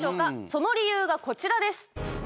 その理由が、こちらです。